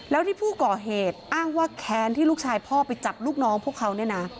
แล้วที่ผู้ก่อเหตุอ้างว่าแค้นที่ลูกชายพ่อไปจับลูกน้องพวกเขาเนี่ยนะ